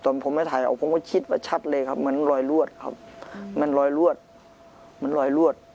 ผมไม่ถ่ายออกผมก็คิดว่าชัดเลยครับเหมือนรอยรวดครับมันรอยรวดมันรอยรวด